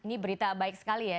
ini berita baik sekali ya